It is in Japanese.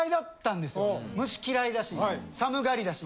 虫嫌いだし寒がりだし。